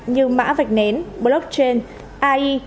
như mã vạch nến blockchain ai